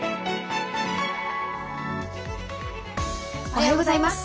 おはようございます。